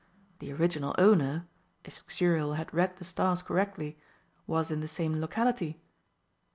The original owner if Xuriel had read the stars correctly was in the same locality.